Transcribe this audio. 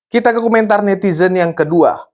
kita ke komentar netizen yang kedua